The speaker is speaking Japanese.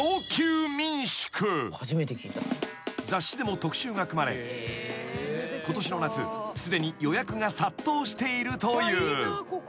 ［雑誌でも特集が組まれことしの夏すでに予約が殺到しているという］